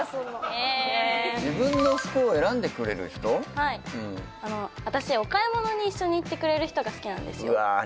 はい私お買い物に一緒に行ってくれる人が好きなんですよ